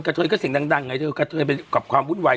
กับเธอยก็เสียงดังไงเธอยกับเธอยกลับความวุ่นวาย